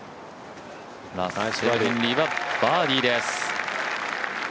ラッセル・ヘンリーはバーディーです。